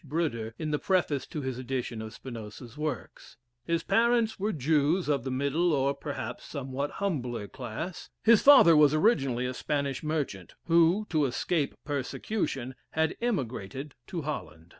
Bruder, in the preface to his edition of Spinoza's works. His parents were Jews of the middle, or, perhaps, somewhat humbler class. His father was originally a Spanish merchant, who, to escape persecution, had emigrated to Holland.